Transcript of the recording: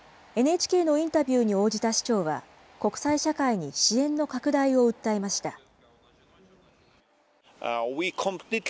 ＮＨＫのインタビューに応じた市長は、国際社会に支援の拡大を訴えました。